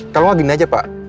kalau nggak gini aja pak